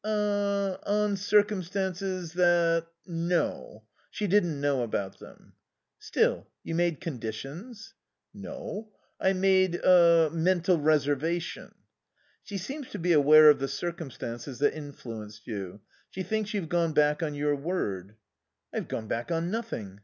"Er on circumstances that No. She didn't know about them." "Still, you made conditions?" "No. I made a mental reservation." "She seems to be aware of the circumstances that influenced you. She thinks you've gone back on your word." "I have gone back on nothing.